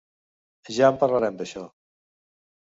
Ja en parlarem d’això.